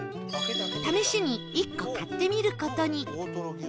試しに１個買ってみる事に